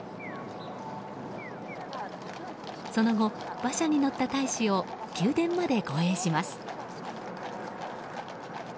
その後、馬車に乗った大使を宮殿まで護衛します。